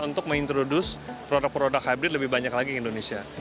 untuk mengintroduce produk produk hybrid lebih banyak lagi ke indonesia